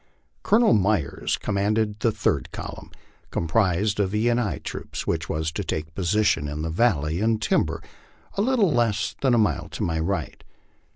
Colonel Myers commanded the third column, composed of E and I troops, which was to take position in the valley and timber a little less than a mile to my right.